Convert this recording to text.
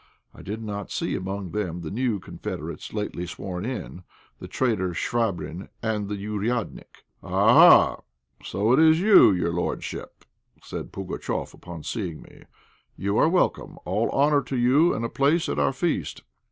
I did not see among them the new confederates lately sworn in, the traitor Chvabrine and the "ouriadnik." "Ah, ah! so it is you, your lordship," said Pugatchéf, upon seeing me. "You are welcome. All honour to you, and a place at our feast."